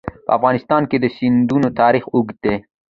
په افغانستان کې د سیندونه تاریخ اوږد دی.